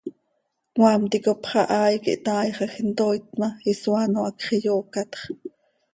Cmaam ticop xahaai quih taaixaj, intooit ma, isoaano hacx iyoocatx.